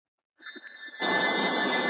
د توت په څټه راته مه ليکه شعرونه